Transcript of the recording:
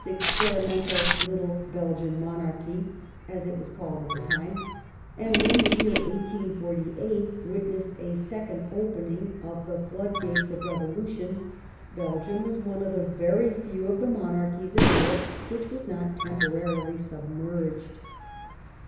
experimental little Belgian monarchy/', as it was called at the time ; and when the year 1848 witnessed a second opening of the flood gates of revolution, Bel gium was one of the very few of the monarchies of Europe which was not temporarily submerged.